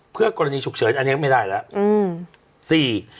เพื่อกรณีฉุกเฉินอันนี้ไม่ได้แล้ว